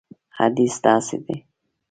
حدیث داسې دی.